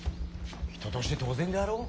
人として当然であろう。